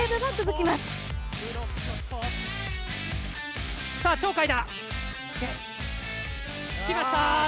きました！